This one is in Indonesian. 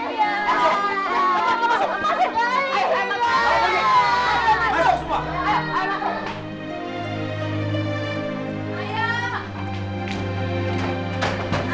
masuk masuk semua